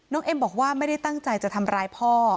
เอ็มบอกว่าไม่ได้ตั้งใจจะทำร้ายพ่อ